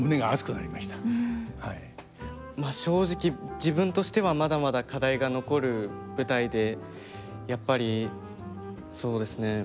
まあ正直自分としてはまだまだ課題が残る舞台でやっぱりそうですね。